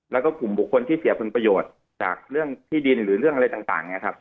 และก็หุ่นบุคคลที่เสียคุณประโยชน์จากเรื่องที่ดินหรือเรื่องอะไรต่าง